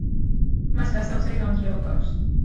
მას გასაოცარი გამძლეობა აქვს.